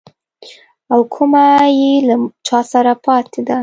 او کومه يې له چا سره پاته ده.